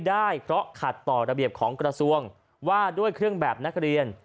ได้เพราะขัดต่อระเบียบของกระทรวงว่าด้วยเครื่องแบบนักเรียน